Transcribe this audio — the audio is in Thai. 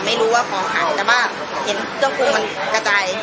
ไม่รู้ว่าของอันแต่ว่าเห็นเจ้าคุณมันกระจาย